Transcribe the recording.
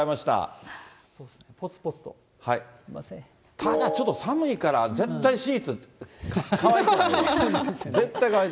ただちょっと寒いから、絶対シーツ乾いてないわ。